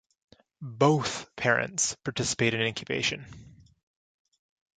Both parents participate in incubation.